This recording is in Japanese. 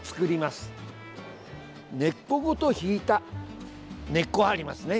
根っこごと引いた根っこがありますね。